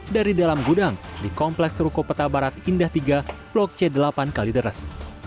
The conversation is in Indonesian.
dari dalam gudang di kompleks turuko peta barat indah tiga blok c delapan kalideres